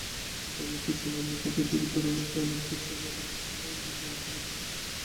প্রযুক্তির কল্যাণে এখন পৃথিবীর দূরবর্তী অনেক কিছুই আমাদের হাতের নাগালে চলে এসেছে।